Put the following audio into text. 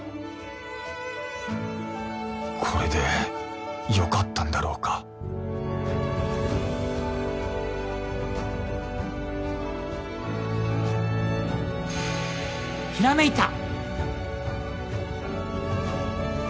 これでよかったんだろうかひらめいた！